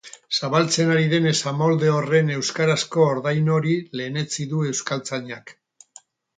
Zabaltzen ari den esamolde horren euskarazko ordain hori lehenetsi du euskaltzainak.